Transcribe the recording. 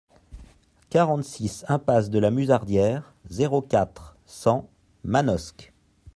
quarante-six impasse de la Musardière, zéro quatre, cent, Manosque